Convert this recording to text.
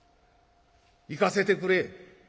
行かせてくれ」。